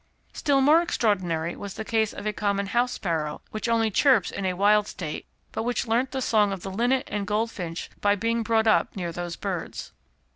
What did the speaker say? Still more extraordinary was the case of a common house sparrow, which only chirps in a wild state, but which learnt the song of the linnet and goldfinch by being brought up near those birds.